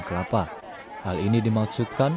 kelapa hal ini dimaksudkan